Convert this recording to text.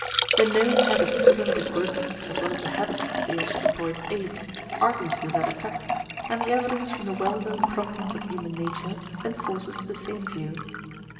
The known habits of primitive groups, as well as the habits of the anthropoid apes, argue to that effect, and the evidence from the well known promptings of human nature enforces the same view.